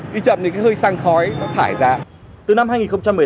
đi chậm thì hơi sang khói nó thải ra